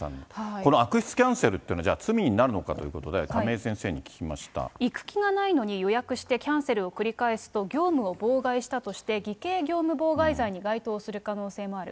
この悪質キャンセルっていうのじゃあ、罪になるのかっていうこと行く気がないのに予約してキャンセルを繰り返すと、業務を妨害したとして、偽計業務妨害罪に該当する可能性もある。